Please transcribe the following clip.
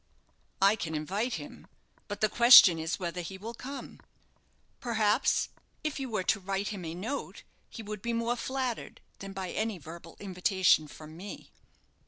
"I can invite him; but the question is whether he will come. Perhaps, if you were to write him a note, he would be more flattered than by any verbal invitation from me."